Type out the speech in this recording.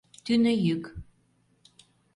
Тӱнӧ йӱк.